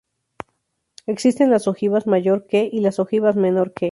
Existen las ojivas "mayor que" y las ojivas "menor que".